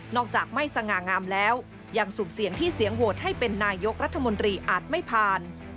จากไม่สง่างามแล้วยังสูบเสียงที่เสียงโหวตให้เป็นนายกรัฐมนตรีอาจไม่ผ่าน